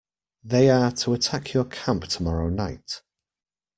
They are to attack your camp tomorrow night.